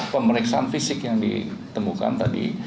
pemeriksaan fisik yang ditemukan tadi